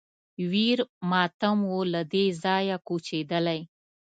ویر ماتم و له دې ځایه کوچېدلی